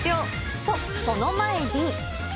と、その前に。